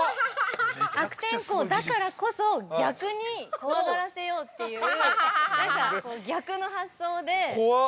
悪天候だからこそ逆に怖がらせようっていう逆の発想で。